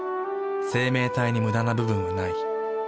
生命体にムダな部分はない。